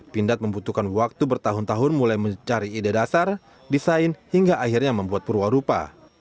pindad membutuhkan waktu bertahun tahun mulai mencari ide dasar desain hingga akhirnya membuat perwarupa